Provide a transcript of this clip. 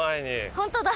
ホントだ。